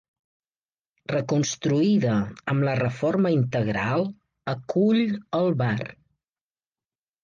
Reconstruïda amb la reforma integral, acull el bar.